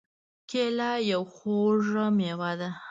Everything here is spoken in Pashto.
کېله یو خوږ مېوه ده.